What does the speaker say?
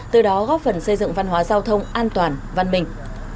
từ đó góp phần xây dựng văn hóa giao thông an toàn văn minh